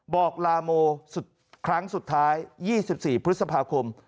บอกลาโมครั้งสุดท้าย๒๔พฤษภาคม